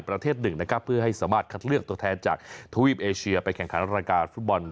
ประเทศหนึ่งนะครับเพื่อให้สามารถคัดเลือกตัวแทนจากทวีปเอเชียไปแข่งขันรายการฟุตบอล